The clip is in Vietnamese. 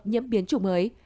nhiễm biến chủng mới